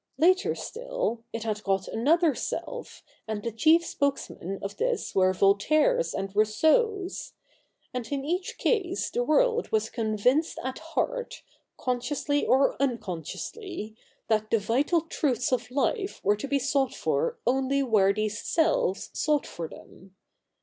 Later still, it had got another Self, and the chief spokes men of this were Voltaires and Rousseaus. And in each 248 THE NEW REPUBLIC [hk. v case the world was convinced at heart, consciously or unconsciously, that the vital truths of life were to be sought for only where these Selves sought for them.